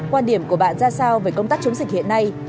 quan điểm của bạn ra sao về công tác chống dịch hiện nay